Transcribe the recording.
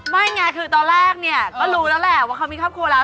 ไม่ไงคือตอนแรกเนี่ยก็รู้แล้วแหละว่าเขามีครอบครัวแล้ว